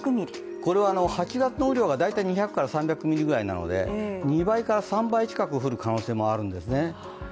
これは８月の雨量が大体２００３００ミリぐらいなので２倍から３倍近く降る可能性もあるんですね。